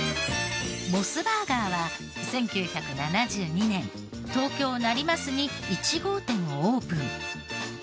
モスバーガーは１９７２年東京成増に１号店をオープン。